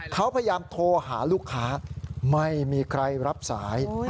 เขาพยายามโทรหาลูกค้าไม่มีใครรับสาย